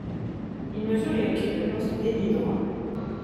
Il mesure et occupe le poste d'ailier droit.